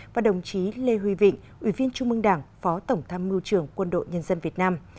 và đồng chí lê huy vịnh ủy viên trung mương đảng phó tổng tham mưu trưởng quân đội nhân dân việt nam